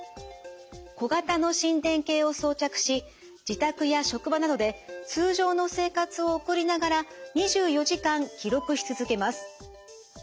小型の心電計を装着し自宅や職場などで通常の生活を送りながら２４時間記録し続けます。